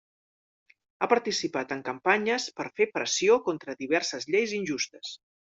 Ha participat en campanyes per fer pressió contra diverses lleis injustes.